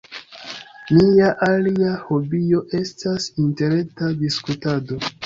Mia alia hobio estas interreta diskutado.